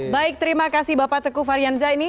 baik terima kasih bapak teku varianzai